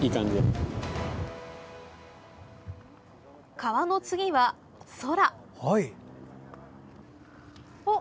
川の次は、空！